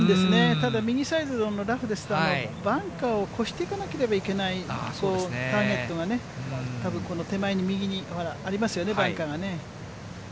ただ、右サイドのラフですので、バンカーを越していかなければいけないターゲットがね、たぶん、この手前に右にありますよね、バンカーがね。